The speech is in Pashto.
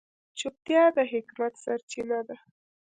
چوپتیا، د حکمت سرچینه ده.